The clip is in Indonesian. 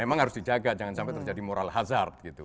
memang harus dijaga jangan sampai terjadi moral hazard gitu